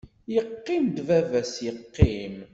Yeqqim-d baba-s yeqqim.